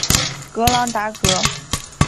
格朗达格。